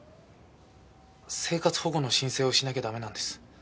生活保護の申請をしなきゃダメなんです。